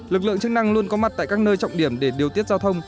lực lượng chức năng luôn có mặt tại các nơi trọng điểm để điều tiết giao thông